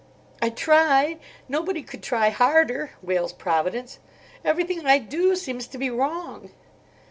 "I try—nobody could try harder," wails Providence. "Everything I do seems to be wrong."